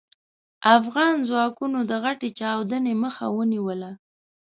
افغان ځواکونو د غټې چاودنې مخه ونيوله.